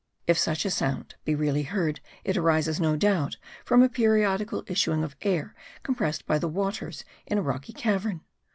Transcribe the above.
If such a sound be really heard, it arises, no doubt, from a periodical issuing of air compressed by the waters in a rocky cavern.